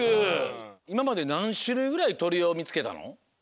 いままでなんしゅるいぐらいとりをみつけたの？